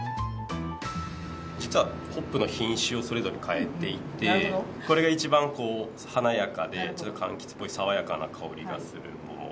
実はホップの品種をそれぞれ変えていてこれが一番華やかで柑橘ぽい爽やかな香りがする。